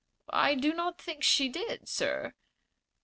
"I do not think she did, sir."